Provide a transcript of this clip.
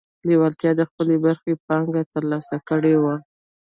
لېوالتیا د خپلې برخې پانګه ترلاسه کړې وه